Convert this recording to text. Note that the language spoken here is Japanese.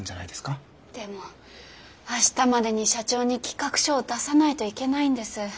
でも明日までに社長に企画書を出さないといけないんです。